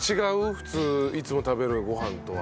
普通いつも食べるご飯とは。